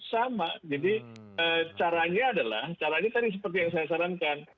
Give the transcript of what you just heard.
sama jadi caranya adalah caranya tadi seperti yang saya sarankan